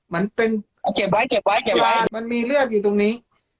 มันมีเลือดอยู่ตรงนี้